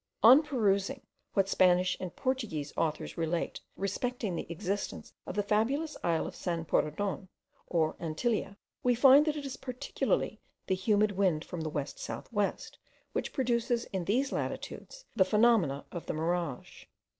On perusing what Spanish and Portuguese authors relate respecting the existence of the fabulous isle of San Borondon, or Antilia, we find that it is particularly the humid wind from west south west, which produces in these latitudes the phenomena of the mirage.